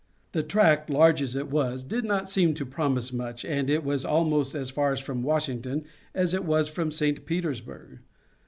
The tract, large as it was, did not seem to promise much, and it was almost as far from Washington as it was from St. Petersburg.